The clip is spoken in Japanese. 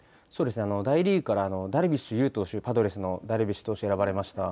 大リーグからダルビッシュ有投手、パドレスのダルビッシュ投手選ばれました。